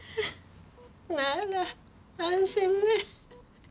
なら安心ね。